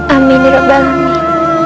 amin ya rabbal alamin